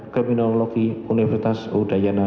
kriminologi universitas udayana